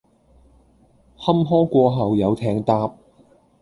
坎坷過後有艇搭！